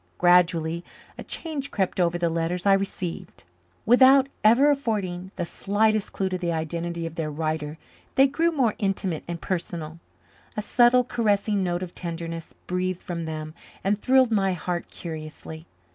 Gradually a change crept over the letters I received. Without ever affording the slightest clue to the identity of their writer they grew more intimate and personal. A subtle, caressing note of tenderness breathed from them and thrilled my heart curiously.